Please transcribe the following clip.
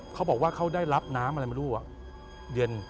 เขาบอกว่าเขาได้รับน้ำอะไรไม่รู้เย็น